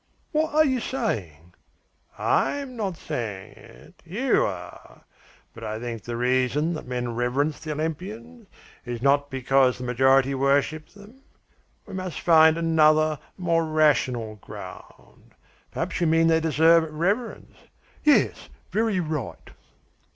"What are you saying?" "I'm not saying it, you are. But I think the reason that men reverence the Olympians is not because the majority worship them. We must find another, more rational ground. Perhaps you mean they deserve reverence?" "Yes, very right."